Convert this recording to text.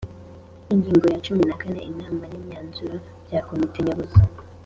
Ingingo ya cumi na kane : Inama n’Imyanzuro bya Komite Nyobozi.